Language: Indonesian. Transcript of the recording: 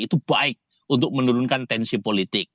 itu baik untuk menurunkan tensi politik